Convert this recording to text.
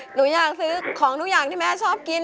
หนูอยากซื้อของทุกอย่างที่แม่ชอบกิน